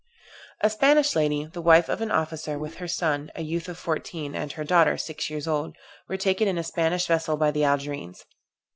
A Spanish lady, the wife of an officer, with her son, a youth of fourteen, and her daughter, six years old, were taken in a Spanish vessel by the Algerines.